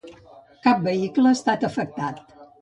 Cap vehicle ha estat afectat.